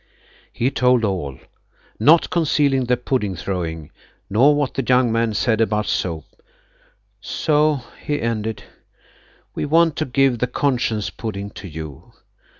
He told all–not concealing the pudding throwing, nor what the young man said about soap. "So," he ended, "we want to give the conscience pudding to you.